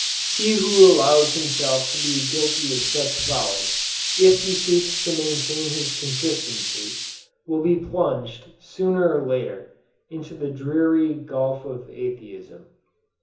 He who allows himself to be guilty of such folly, if he seeks to maintain his consistency, will be plunged, sooner or later, into the dreary gulf of atheism.